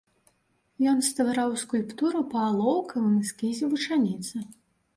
Ён ствараў скульптуру па алоўкавым эскізе вучаніцы.